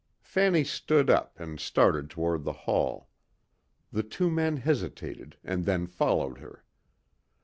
Fanny stood up and started toward the hall. The two men hesitated and then followed her.